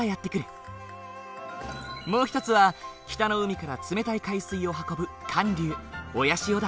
もう一つは北の海から冷たい海水を運ぶ寒流親潮だ。